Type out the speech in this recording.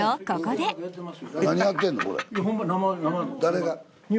誰が？